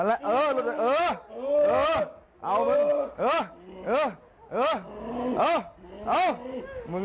และพี่ถึง